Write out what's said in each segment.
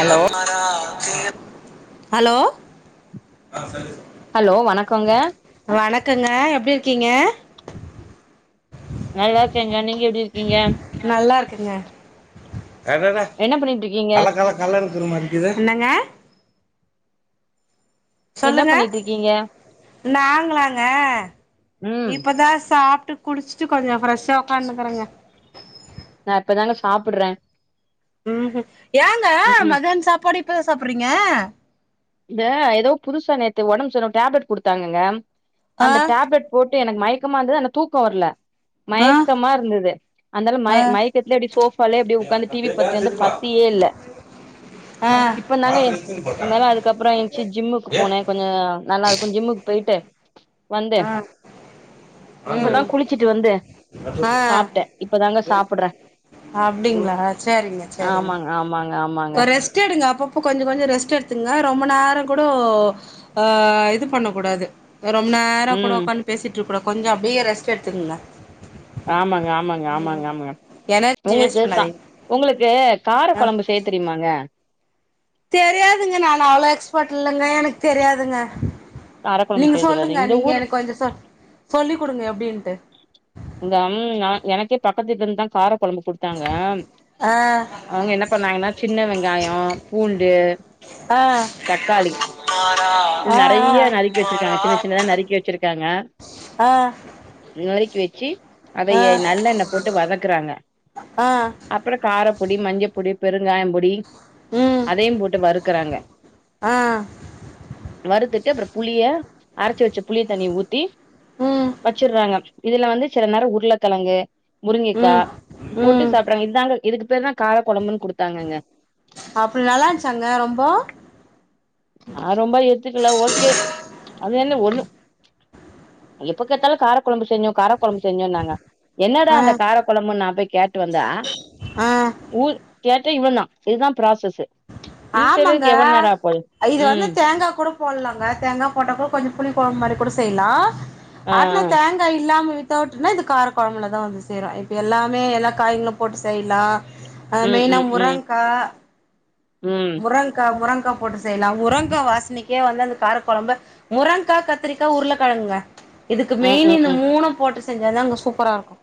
Hello hello hello வணக்கோங்க வணக்கோங்க எப்டி இருக்கீங்க நல்லா இருக்கேங்க நீங்க எப்டி இருக்கீங்க நல்லா இருக்கேங்க என்னங்க என்ன பண்ணிட்டு இருக்கீங்க என்ன சொல்லுங்க பண்ணிட்டு இருக்கீங்க நாங்களாங்க ம் இப்பதா சாப்ட்டு குடிச்சிட்டு கொஞ்சோ ஃப்ரெஷா உக்காந்துக்குறோங்க நா இப்பதாங்க சாப்புட்றே ஹூ ம் ஏங்க ம் ம் மத்யான சாப்பாடு இப்பதா சாப்டுரிங்க இந்த ஏதோ புதுசா நேத்து ஒடம்பு சரில டெப்லெட் குடுத்தாங்கங்க ஆ அந்த டப்லெட் போட்டு எனக்கு மயக்கமா இருந்தது அந்த தூக்கோ வரல ஆ மயக்கமா இருந்தது அந்தால ஆ ஆ மய மயக் த்துல அப்டி சோஃபாலே அப்டி உக்காந்து டி வி பாத்துட்டே இருந்த பசியே இல்ல ஆ ம் இப்பந்தாங்க அதனால அதுக்கப் புறோ எந்திச்சு ஜிம்முக்கு போனே கொஞ்சோ நல்லா இருக்கு ஜிம்முக்கு போயிட்டு வந்தே இப்பதா குளிச்சுட்டு வந்து ஆ சாப்புட்டே இப்பதாங்க சாப்பிடறே அப்டிங்களா செரிங்க செரிங்க ஆமாங்க ஆமாங்க ஆமாங்க ஒரே ரெஸ்ட்ட் எடுங்க அப்பப்போ கொஞ்சோ கொஞ்சோ ரெஸ்ட் எடுத்துங்க ரொம்ப நேரோ கூட ஆ இது பண்ணக் கூடாது ரொம்ப நேரங்கூட ம் ஒக்கான் பேசிட்டுருக்கூடா கொஞ்ச அப்பிடியே ரெஸ்ட்டெடுத்துக்குங்க ஆமாங்க ஆமாங்க ஆமாங்க ஆமாங்க எனர்ஜி ஒங்குளுக்கு வேஸ்ட் கா பண்ணாதீங்க ஒங்குளுக்கு கார ஆ கொழம்பு செய்யத் தெரியுமாங்க தெரியாதுங்க நானு அவ்ள எக்ஸ்பட்டில்லங்க எனக்த் தெரியாதுங்க கார கொழம்பு நீங்க செய்ய தெரியாது சொல்லுங்க இந்த நீங்க ஊர் எனக்கு கொஞ்ச சொ சொல்லிக் குடுங்க எப்பிடின்ட்டு இந்த அம் நா எனக்கே பக்கத்து வீட்லேந்து தா கார கொழம்பு குடுத் தாங்க ஆ அவுங்க என்ன பண்ணாங்கன்னா சின்ன வெங்காயோ பூண்டு அ தக்காளி நெறைய நறுக்கி வச்சிருக்காங்க சின்ன சின்னதா நறுக்கி வச்சிருக்காங்க அ நறுக்கி வெச்சி அத ய நல்லெண்ண போட்டு வதக்குறாங்க ஆ அப்பற காரப்பொடி மஞ்சப்பொடி பெருங்காயம் பொ டி ம் அதையு போட்டு வறுக்குறாங்க ஆ வறுத்துட்டு அப்புற புளிய அரச்சு வச்ச புளிய தண்ணி ஊத்தி ம் வச்சுர்றாங்க இதுல வந்து சில நேரோ உருளக்கெழங்கு முருங்கைக்கா ம் போட்டு ம் சாப்புறாங்க இதுதாங்க இதுக்கு பேர்தான் கார கொழம்புன் குடுத்தாங்கங்க அப்புடி நல்லாருச்சாங்க ரொம்போ அ ரொம்ப எத்துக்கல ஓகே அது என்ன ஒண்ணு எப்பக்கேத்தாலு காரக்கொழம்பு செஞ்சோ காரக்கொழம்பு செஞ்சோன்னாங்க என்னடா ஆ அந்த காரக்கொழம்புன் நாம்போய் கேட்டு வந்தா ஆ ஊர் கேட்ட இவந்தா இதுதா ப்ராசஸு இது ஆமாங்க செய்றதுக்கு எவ்வள நேராப்போது இது வந்து தேங்காக்கூட போட்லாங்க தேங்கா போட்டாக்கூட கொஞ்ச புளிக்கொழம்பு மாரிக்கூட செய்லா ஆ ஆட்ன ஆ தேங் கா இல்லாம வித்தவுட்னா இது கார கொழம்பலதா வந்து சேரு இப்ப எல்லாமே எல்லா காய்களூம் போட்டு செய்லா ம் ம் ம் ம் முரங்கா முரங்கா போட்டு செய்லாம் முரங்க்கா வாசனக்கே வந்து அந்த காரக்கொழம்பு முரங்க்கா கத்திரிக்கா உருளக்கெழங்க இதுக்கு ம் மெயின் ம் இந்த ம் மூணு போட்டு செஞ்சாதாங்க சூப்பராருக்கு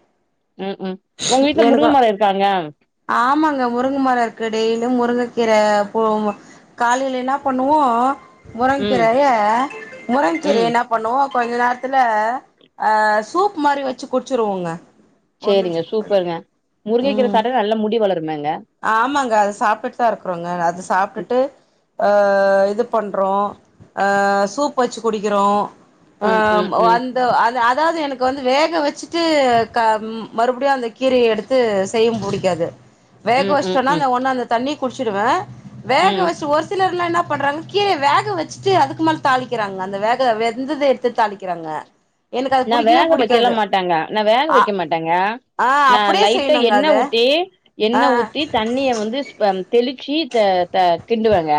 ம் ம் ஒங்க வீட்ல முருங்கமரோ இருக்காங்க ஆமாங்க முருங்க மரோ இருக்கு டெய்லிம் முருங்க கீர ர போ மு காலையில் இன்னா பண்ணுவோ ம் முரங்கீரய ம் முரங்கீரய இன்னப் பண்ணுவோ கொஞ்ச நேரத்துல அ சூப் மாரி வச்சு குடிச்சுருவோங்க சேரிங்க சூப்பர்ங்க முருங்கக்கீர ம் சாட்டா நல்லா முடி வளருமேங்க ஆமாங்க அது சாப்ட்டுட்டுதாருக்குறோங்க அது சாப்ட்டுட்டு அ இது பண்றோ அ சூப் வச்சு குடிக்கிறோ அ ம் ம் ம ம் வந் து அதாது எனக்கு வந்து வேக வச்சுட்டு க மறுபடியும் அந்த கீரய எடுத் து செய்யம் புடிக்காது வேக ம் ம் வச்ட்டோனா ம் அந்த ஒன்னு அந்த தண்ணி குடிச்சுடுவன் வேக ம் வச்சு ஒரு த்துலருந்து என்ன பண்றாங்க கீரய வேக வச்சுட்டு அதுக்கு மேல தாளிக்கிறாங்க அந்த வேக வெந்தத எடுத்து தாளிக் கிறாங்க நா வேக வைக்கலா மாட்டங்க நா வேக ஆ வக்க மாட்டாங்க ஆ நா அப்டியே லைட்டா செய்யணுங்க எண்ண அத ஊத்தி ஆ எண்ண ஊத்தி தண்ணியை வந்து ப தெளிச்சி த த கிண்டுவங்க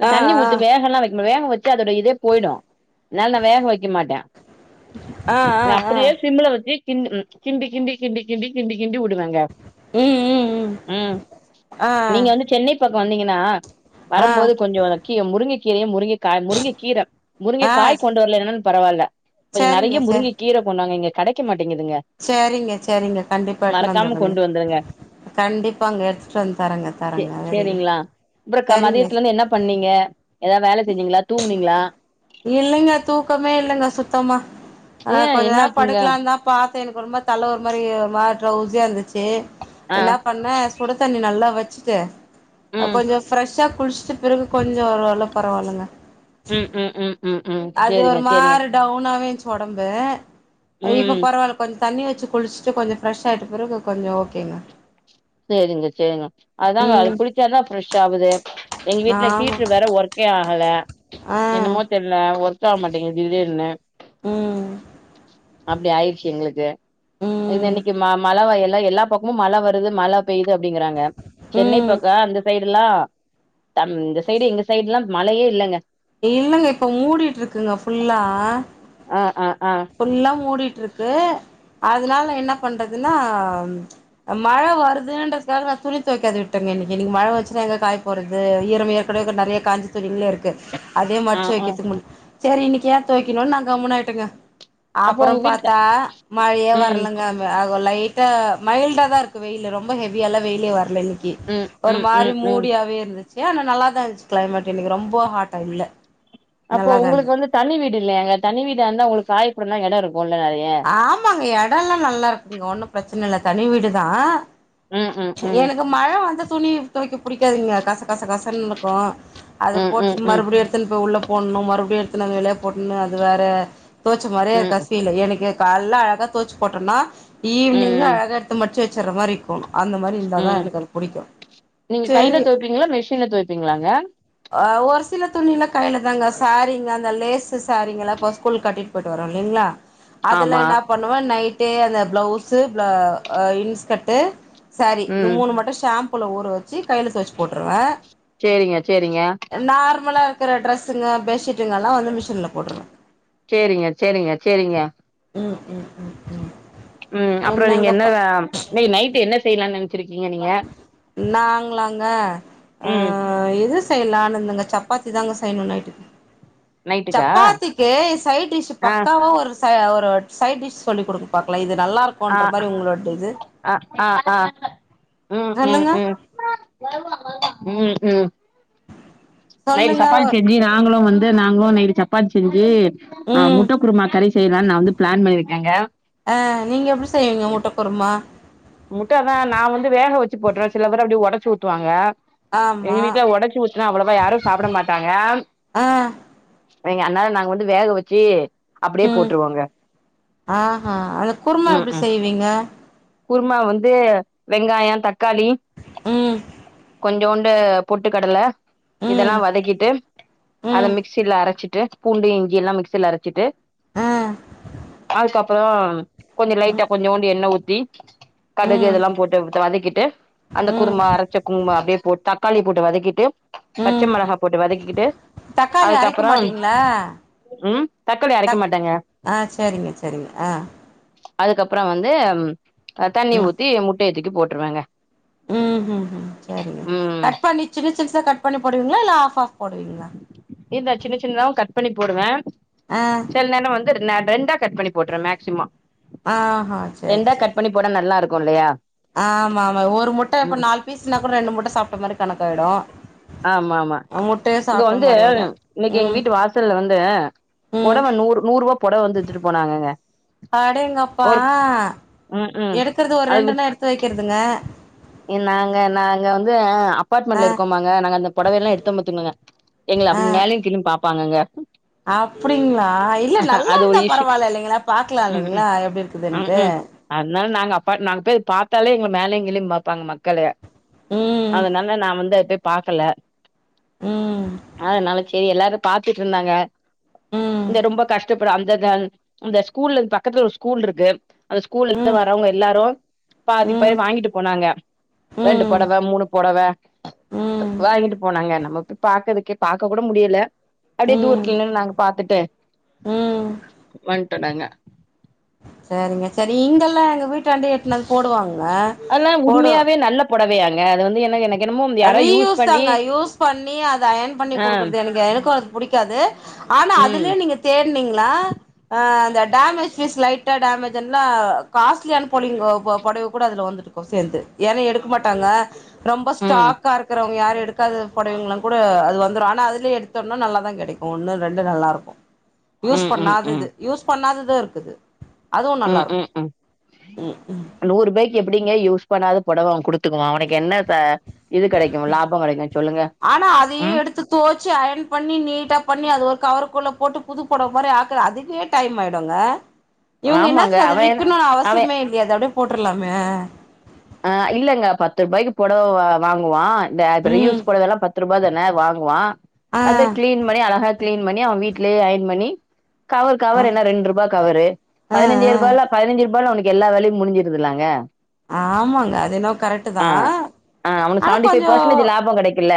நா ஆ ஆ தண்ணி ஊத்து ஆ வேகல்லா வைக்க ம வேகவச்சா அதோட இதே போய்டும் அதனால் நா வேக வைக்க மாட்டன் ஆ ஆ நா ஆ அப்டியே சிம்ள வச்சு கிண் ம் கிண்டி கிண்டி கிண்டி கிண்டி கிண்டி உடுவங்க ம் ம் ம் ஆ நீங்க வந்து சென்னை பக்கம் வந்தீங்கன்னா ஆ வரும்போது கொஞ்சோ கீ முருங்கை கீரையும் முருங்க காய் முருங்க கீரை முருங்கை காய் கொண்டு வரலனாலு பரவால்ல கொஞ்சோ நெறைய சேரிங்க சார் முருங்கை கீர கொண்டாங்க இங்க கெடைக்க மாட்டேங்குதுங்க சேரிங்க சேரிங்க கண்டிப்பா எடுத்துனு மறக்காம வந்துரங்க கொண்டு வந்துருங்க கண்டிப்பா அங்க எடுத்துட்டு வந்து தரங்க தரங்க வெரி குட் அப்பறோ சரிங்க மதியத்துல இருந்து என்ன பண்ணீங்க வேல செஞ்சீங்களா தூங்குனீங்களா இல்லைங்க தூக்கமே இல்லைங்க சுத்தமா ஏ ஆ கொஞ்சோ நேரோ என்னாச்சுங்க படுக்கலாந்தா பாத்த எனக்கு ஒரு மாரி தலை ஒரு மாரி ட்ரௌசியா இருந்துச்சு ஆ என்ன பண்ண சுடு தண்ணி நல்லா வச்சுட்டு ம் கொஞ்சோ ஃப்ரெஷ்ஷா குளிச்சுட்டு பிறகு கொஞ்சோ ஒரு வேல பரவால்லங்க ம் ம் ம் ம் ம் அது சேரிங்க ஒரு சேரிங்க மாரி டவுனாவே இருந்துச்சு உடம்பு இப்ப ம் பரவால்ல கொஞ்சோ தண்ணி வச்சு குளிச்சுட்டு கொஞ்சோ ஃப்ரஷ் ஆயிட்ட பிறகு கொஞ்சோ ஓகேங்க சேரிங்க சேரிங்க அதாங்க அது ம் குளிச்சாதா ஃப்ரெஷ் ஆவுதே எங்க வீட்ல ஆமா ஹீட்ரு வேற ஒர்க்கே ஆகல ஆ என்னமோ தெர் ல்ல ஒர்க் ஆக மாட்டேங்கு திடிர்னு ம் அப்டி ஆயிடுச்சு எங்களுக்கு இ ம் இன்னைக்கு மா மா மழை வ எல்லா எல்லா பக்கமு மழை வருது மழை பெய்து அப்டிங்கிறாங்க சென்னை ம் பக்கோ அந்த சைடு எல்லா இந்த சைடு எங்க சைடு எல்லா மழையே இல்லங்க இல்லங்க இப்ப மூடிட்டு இருக்குங்க ஃபுல்லா ஆ ஆ ஆ ஃபுல்லா மூடிட்டு இருக்கு அதனால என்ன பண்றதுன்னா மழ வருதுன்றதுக்காக நா துணி துவைக்காத விட்டேங்க இன்னைக்கு இன்னிக்கி மழை வன்சுன்னா எங்க காய போரது ஈரம் ஏற்கனவே இரு நெறைய காஞ்சத் துணிகள்ளே இருக்கு அதே ஆ மடிச்சு ஆ வைக்கிறதுக்கு முடி சேரி இன்னைக்கு ஏன் தொவைக்கணும்னு நான் கம்முனு ஆய்ட்டேங்க அப்போ அப்பறோ உங்க வீட்ல பாத்தா மழையே ம் வரலங்க அங்க லைட்டா மைல்டா தா இருக்கு வெயில் ரொம்ப ஹெவியால்லா வெயிலே வரல இன்னைக்கு ம் ஒரு ம் மாறி ம் ம் மூடியாவே இருந்துச்சு ஆனால் நல்லா தா இருந்துச்சு கிளைமேட் எனக்கு ரொம்ப ஹாட்டா இல்ல அப்போ நல்லாதா இருந்தது உங்களுக்கு வந்து தனி வீடு இல்லையாங்க தனி வீடா இருந்தா உங்களுக்கு காய போட இட இருக்கும்ல்ல நெறைய ஆமாங்க எடல்லா நல்லா இருக்குங்க ஒன்னு பிரச்சன இல்ல தனி வீடுதான் ம் ம் ம் எனக்கு மழ வந்து துணி துவைக்க புடிக்காதுங்க கச கசகசன்னு இருக்கு அது ம் ம் போட்டு ம் மறுபுடியு எடுத் தின் போ உள்ள போட்னு மறுபுடியு எடுத்துன் வந்து வெளிய போட்னு அது வேற தோச்ச மாரே ம் கசியல எனக் இங்க கால்ல அழகா தோச்சு போட்டோனா ஈவினிங் ம் அழகா எத்து மடிச்சு வச்சற மாரி குனு அந்த மாரி இர்ந்தாதா ம் எனக்கு அது புடிக்கு நீங்க கையில செரி துவைப்பீங்களா மிஷின்ல துவைப்பீங்களாங்க ஆ ஒரு சில துணில கைல தாங்க சாரீங்க அந்த லேசு சாரீங்கல கொச் ஸ்கூல் கட்டிட் போயிட்டு வரோ இல்லிங்ளா அதுலா ஆமா இன்ன பண்ணுவே நைட்டே அந்த ப்ளவுஸு ப இன்ஸ்கட்டு ஸாரி இது ம் மூணு மட்டு ஷாம்புல ஊற வச்சு கைல தோச்சு போட்ருவே சேரிங்க சேரிங்க நார்மலாக இருக்குற ட்ரெஸ்ங்க பெட்ஷீட்டுங்கெல்லா வந்து மிஷின்ல போட்ருவ சேரிங்க செரிங்க செரிங்க ம் ம் ம் அப்புறோ நீங்க என்னங்கப்பா என்னத இன்னக் நைட் என்ன செய்லானு நெனச்சிருக்கிங்க நீங்க நாங்லாங்க ம் அ இது செய்லானு இந்தாங்க சப்பாத்தி தாங்க செய்ணு நைட்டுக்கு நைட்டுக்கா சப்பாத்திக்கு சைட் டிஷ் ஆ பக்காவா ஒரு ச ஒரு சைட் டிஷ் சொல்லி குடுங் பாக்லா இது நல்லா இருக்கு ஆ இன்ற மாரி உங்ளோட இது ஆ ஆ ம் சொல்லுங்க ம் நைட் சொல்லுங்க சப்பாத்தி ஒரு செஞ்சி நாங்ளு வந்து நாங்களு நைட்டு சப்பாத்தி செஞ்சு ஆ ம் முட்ட குருமா கறி செய்லானு நா வந்து பிளான் பண்ணியிருக்கேங்க ஆ நீங்க எப்டி செய்வீங்க முட்ட குருமா முட்டதா நா வந்து வேக வச்சு போட்ருவ சில பேரு அப்டி உடைச்சு ஊத்துவாங்க எங்க ஆமா வீட்ல உடச்சி ஊத்துனா அவ்வளவா யாரு சாப்பிட மாட்டாங்க ஆ வைங்க அதனால நாங்க வந்து வேக வச்சி ம் ஆஹா அந்த குருமா ம் எப்டி ம் செய்வீங்க குருமா வந்து வெங்காய தக்காளி ம் கொஞ்சோண்டு பொட்டு கடல இதெல்லா ம் வதக்கிட்டு அத ம் மிக்சில அரச்சிட்டு பூண்டு இஞ்சிலா மிக்சில அரச்சிட்டு ஆ தாளிச்ச அப்பறோ கொஞ்ச லைட்டா ம் கொஞ்சோண்டு எண்ண ஊத்தி கடுகு ம் இதெலா போட்டு வதக்கிட்டு அந்த ம் குருமா அரைச்ச குருமா அப்பிடியே போட்டு தக்காளி போட்டு வதக்கிட்டு பச்ச ம் மெளகா போட்டு வதக்கிக்கிட்டு அதுக்கப்றம் ஆ ம் தக்காளி அரைக்க மாட்டேங்க ஆ சரிங்க சரிங்க ஆ அதுக்கப்ற வந்து தண்ணி ம் ஊத்தி முட்டய தூக்கி போட்ருவேங்க ம் ம் சரிங்க கட் பண்ணி சின்ன சிறுசா கட் பண்ணி போடுவீங்ளா இல்ல ஆஃப் ஆஃப் போடுவீங்ளா இதா சின்ன சின்னதாவு கட் பண்ணி போடுவே ஆ செலநேரோ வந்து ரெண்டா கட் பண்ணி போட்ருவ மேக்சிமம் ஆஹா சேர் சேரி போட்டா நல்லா இருக்கு இல்லயா ஆமாமா ஒரு முட்ட இப்ப நால் பீஸ்னா கூட ரெண்டு முட்ட சாப்ட மாரி கணக்காய்டு ஆமாமா இங்க வந்து ஆயிடு இன்னக்கி எங்க ம் வீட்டு வாசல்ல வந்து ம் புடவ நூற் நூறுவா புடவ வந்து வித்துட்டு போனாங்கங்க அடேங்கப்பா ஒரு ம் ம் எடுக்கறது ஒரு அது வித் ரெண்டுண்ணா எடுத்து வெக்கிறதுங்க நாங்க நாங்க வந்து ஆ அப்பார்ட்மெண்ட்ல இருக்கோமாங்க நாங்க அந்த பொடவைலா எடுத்தோ பாத்துக்குங்க எங்கள அப்டி மேலயு கீழயு பாப்பாங்கங்க அப்பிடிங்ளா இல்ல நல்லா அது ஒரு இருந்தா இஷ்யூ பரவால இல்லைங்ளா பாக்லா ம் ம் இல்லைங்ளா எப்டி ம் இருக்குதுன்ட்டு ம் அதனால நாங்க அப்பாட் நாங்க போய் பாத்தாலே எங்கள மேலயு கீழயு பாப்பாங்க மக்களு ம் அதனால நா வந்து அத போய் பாக்கல ம் அதனால சேரி எல்லாரு பாத்துட்டு இருந்தாங்க ம் இந்த ரொம்ப கஷ்டப்ப அந்த அந்த ஸ்கூல்லுக் பக்கத்துல ஒரு ஸ்கூல் இருக்கு அந்த ஸ்கூல்ல ம் இருந்து வரவங்க எல்லாரு பாதி ம் பாதி வாங்கிட்டு போனாங்க ரெண்டு ம் பொடவ மூணு பொடவ ம் வாங்கிட்டு போனாங்க நமக்கு பாக்கதுக்கே பாக்க கூட முடியல அப்டியே ம் தூரத்துல நின்னு நாங்க பாத்துட்டு ம் வன்ட்டோ நாங்க சரிங்க சரி இங்கெல்லா எங்க வீட்டாண்டயே எட்னு வந்து போடுவாங்க அதல்லா போடு உண்மயாவே நல்ல பொடவையாங்க அது வந்து என்ன எனக் ரீயூஸ் தாங்க யூஸ் பண்ணி அத அயன் பண்ணி ஆ குடுக்குறது எனக்கு எனக்கு அது புடிக்காது ஆனா ம் அதுலயே நீங்க தேட்னிங்னா ஆ அந்த டேமேஜ் பீஸ் லைட்டா டேமேஜ் எல்லா காஸ்லியான போலிங்க அ பொடவ கூட அதுல வந்துருக் சேந்து ஏனா எடுக்க மாட்டாங்க ரொம்ப ம் ஸ்டாக்கா இருக்கிறவங்க யாரு எடு க்காத பொடவைங்ளா கூட அது வந்துரு ஆனா அதுலயே எடுத்தம்னா நல்லாதா கெடைக்கு ஒன்னு ரெண்டு நல்லாருக்கு ம் யூஸ் ம் பண்ணாதது ம் யூஸ் பண்ணாதது இருக்குது அதுவு நல்லாருக்கு ம் ம் நூறுபாய்க்கு எப்பிடிங்க யூஸ் பண்ணாத பொடவ அவ குடு துக்குவா அவுனுக்கு என்ன ச இது கெடைக்கு லாப கெடைக்கு சொல்லுங்க ம் தோச்சி அயன் பண்ணி நீட்டாப் பண்ணி அது ஒரு கவருக்குள்ள போட்டு புது பொடவ மாரி ஆக்க அதுக்கே டைமாய்டுங்க இவுங்க ஆமாங்க என்னாத்துக்கு அத அவ விக்கணுனு அவ அவசியமே இல்லியே அத அப்டியே போட்ரலாமே அ இல்லங்க பத்து ரூபாய்க்கு பொடவ வ வாங்குவா த இப்ப ரீ ம் யூஸ் பொடவல்லா பத் துருபாதான வாங்குவா ஆ அத க்ளீன் பண்ணி அழகா க்ளீன் பண்ணி அவ வீட்லயே அயன் பண்ணி கவர் ஆ கவர் என்ன ரெண்ட்ருபா கவரு ஆ பதினஞ்சே ஆ ருபால பதினஞ்சு ருபால உனக்கு எல்லா வேலையு முடிஞ்சுருதுல்லங்க ஆமாங்க அது என்னவோ கரெட்டுதா ஆ அவனுக்கு ஆனா கொஞ்சோ லாபம் கிடைக்குல்ல.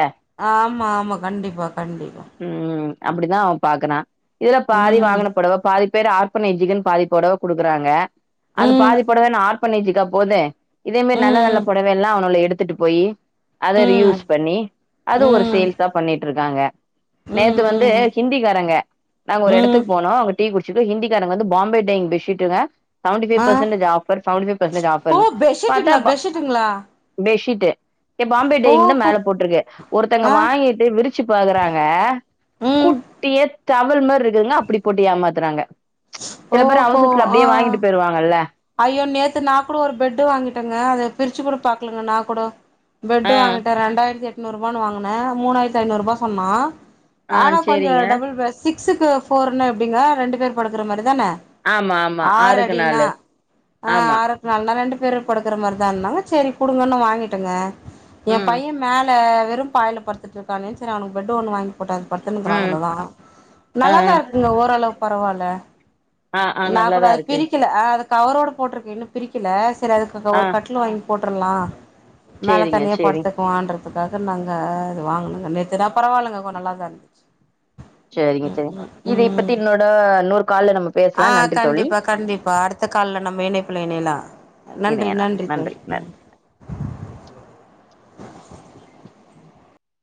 ஆமா ஆமா கண்டிப்பா கண்டிப்பா ம் அப்பிடிதா அவ பாக்கறா இதுல பாதி ம் வாங்குன பொடவ பாதி பேரு ஆர்ஃபனேஜுக்குனு பாதிப்பொடவ குடுக்குறாங்க அந்த ம் பாதிப்பொடவ என்ன ஆர்ஃபனேஜுக்கா போது இதே மாரி நல்ல நல்ல ம் பொடவையெல்லா அவுனோல எடுத்துட்டு போயி அத ரீ ம் ம் யூஸ் பண்ணி அது ஒரு ம் சேல்ஸா பண்ணிட்ருக்காங்க நேத்து வந்து ம் ம் ஹிந்திக்காரங்க நாங்க ஒரு ம் எடத்துக்கு போனோ அங்க டீ குடிச்சுட்டு ஹிந்திகாரங்க வந்து பாம்பே டையிங் பெட்சிட்டுங்க செவன்டி ஃபைவ் ஆ percentage offer seventy five percentage ஆஃபர்னு ட்டுங்களா பெஷிட்டுங்ளா பெஷிட்டு ஏ பாம்பே டையிங்தா ஓஹோ மேல போட்ருக்கு ஒருத்தங்க ஆ வாங்கி அப்டே விரிச்சு பாக்கறாங்க ம் குட்டியா டவல் மாரி இருக்குங்க அப்பிடி போட்டு ஏமாத்துறாங்க சில பேரு ஓஹோ அவசரத்துல அப்டியே ஆ வாங்கிட்டு போயிருவாங்கல்ல ஐயோ நேத்து நாக்கூட ஒரு பெட்டு வாங்கிட்டங்க அத பிரிச்சுக்கூட பாக்கலங்க நா கூட பெட்டு ஆ வாங்கிட்ட ரெண்டாயிரத்தி எட்நூறுரூபான் வாங்குன மூணாயிரத்து ஐந்நூறு ரூபா சொன்னா ஆ ஆனா கொஞ்ச சேரிங்க டபுள் பெட் சிக்ஸுக்கு ஃபோர்னா எப்டிங்க ரெண்டு பேர் படுக்குற மாரிதான ஆமா ஆமா ஆறுக்கு நாலு அ ஆமா ஆறுக்கு நால்தா ரெண்டு பேரு படுக்குற மார்தானாங்க செரி குடுங்கன்னு வாங்கிட்டங்க எ ம் பையன் மேல வெறும் பாய்ல படுத்துட்ருக் கானே செரி அவனுக்கு பெட்டு ஒன்னு வாங்கி போட்டன் அதுல படுத்துன்க்குறான் ம் அதுலதா ஆ நல்லாதா இருக்குங்க ஓரளவு பரவால்ல ஆ ஆ நாக்கூட நல்லாதா இருக்கு பிரிக்கில அது கவரோடு போட்ருக்கு இன்னு பிரிக்கில செரி அதுக்கு ஆ ஒரு கட்லு வாங்கி போட்டுர்லா மேல சேரிங்க தனியா சேரிங் படுத்துக்குவான்று அதுக்காக நாங்க இது வாங்குனங்க நேத்துடா பரவால்லங்க கொஞ் நல்லாதாருந்துச்சு சேரிங்க செரிங் இதைப்பத்தி இன்னோட இன்னோரு கால்ல நம்ம அ பேசலா நன்றி தோழி கண்டிப்பா கண்டிப்பா அடுத்த கால்ல நம்ம இணைப்புல இணைலா நன்றி இணையலா நன்றி தோழி நன்றி ம்